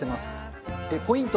ポイント。